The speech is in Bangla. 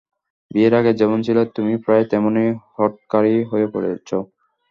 বিয়ের আগে যেমন ছিলে তুমি প্রায় তেমনই হঠকারী হয়ে পড়ছ।